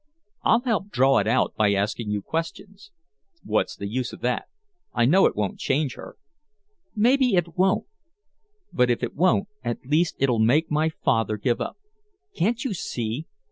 I'll help draw it out by asking you questions." "What's the use of that? I know it won't change her!" "Maybe it won't. But if it won't, at least it'll make my father give up. Can't you see?